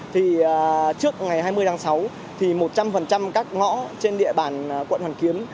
thì trước ngày hai mươi tháng sáu thì một trăm linh các ngõ trên địa bàn quận hoàn kiếm